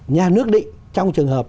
nhà nước định trong trường hợp